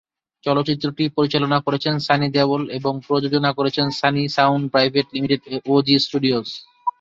চলচ্চিত্রটি পরিচালনা করেছেন সানি দেওল এবং প্রযোজনা করেছেন সানি সাউন্ড প্রাইভেট লিমিটেড ও জি স্টুডিওস।